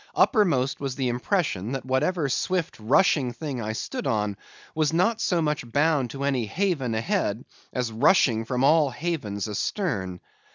Uppermost was the impression, that whatever swift, rushing thing I stood on was not so much bound to any haven ahead as rushing from all havens astern.